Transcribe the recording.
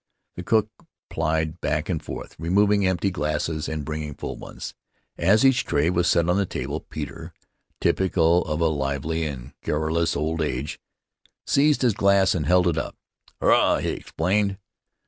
The cook plied back and forth, removing empty glasses and bringing full ones. As each tray was set on the table, Peter — typical of a lively and garrulous old age — seized his glass and held it up. :< Hurrah!" he exclaimed.